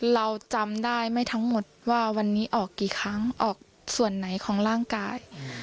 เราจำได้ไม่ทั้งหมดว่าวันนี้ออกกี่ครั้งออกส่วนไหนของร่างกาย